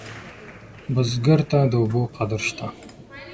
بزګر ته د اوبو قدر شته